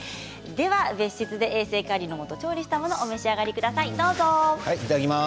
別室で衛生管理のもと調理したものをお召し上がりください。